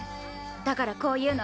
だからこう言うの。